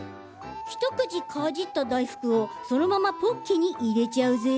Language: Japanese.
一口かじった大福をそのままポッケに入れちゃうぜ。